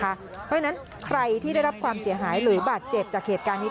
เพราะฉะนั้นใครที่ได้รับความเสียหายหรือบาดเจ็บจากเหตุการณ์นี้